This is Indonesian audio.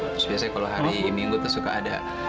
terus biasanya kalau hari minggu itu suka ada